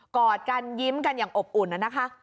อดกันยิ้มกันอย่างอบอุ่นนะคะ